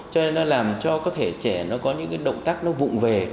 cho nên nó làm cho có thể trẻ có những động tác vụn về